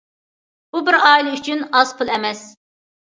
بۇ بىر ئائىلە ئۈچۈن ئاز پۇل ئەمەس.